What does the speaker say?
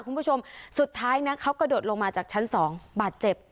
คุณผู้ชมสุดท้ายนะเขากระโดดลงมาจากชั้น๒บาดเจ็บ